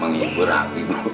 menghibur abi bu